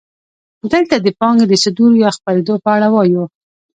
دلته د پانګې د صدور یا خپرېدو په اړه وایو